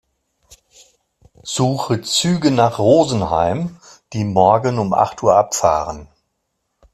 Suche Züge nach Rosenheim, die morgen um acht Uhr abfahren.